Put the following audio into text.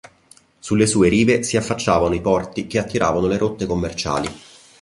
Sulle sue rive si affacciavano i porti che attiravano le rotte commerciali.